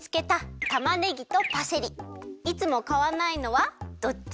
いつもかわないのはどっち？